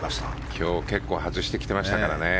今日、結構外してきていましたからね。